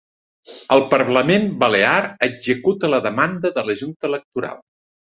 El Parlament Balear executa la demanda de la Junta Electoral